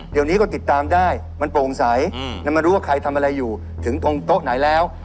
เดี๋ยวนี้ก็ติดตามได้มันโปร่งใสแล้วมารู้ว่าใครทำอะไรอยู่ถึงตรงโต๊ะไหนแล้ว